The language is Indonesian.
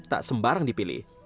tak sembarang dipilih